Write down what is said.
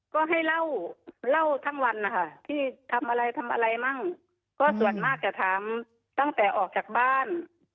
ก็ให้เล่าเล่าทั้งวันนะคะที่ทำอะไรทำอะไรมั่งก็ส่วนมากจะถามตั้งแต่ออกจากบ้าน